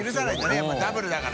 やっぱりダブルだから。